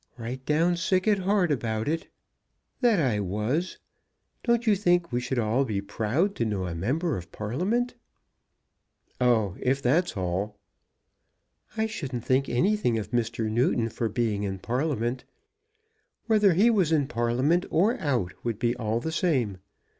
"Right down sick at heart about it; that I was. Don't you think we should all be proud to know a member of Parliament?" "Oh; if that's all " "I shouldn't think anything of Mr. Newton for being in Parliament. Whether he was in Parliament or out would be all the same.